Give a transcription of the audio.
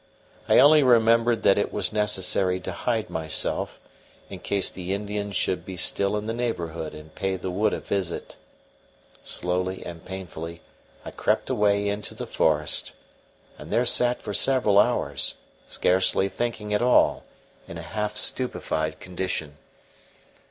I only remembered that it was necessary to hide myself, in case the Indians should be still in the neighbourhood and pay the wood a visit. Slowly and painfully I crept away into the forest, and there sat for several hours, scarcely thinking at all, in a half stupefied condition.